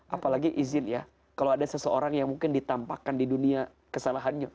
apalagi izin ya kalau ada seseorang yang mungkin ditampakkan di dunia kesalahannya